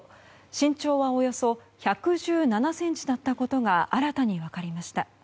身長はおよそ１１７ｃｍだったことが新たに分かりました。